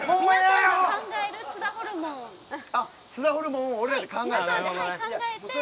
ホルモンを俺らで考える？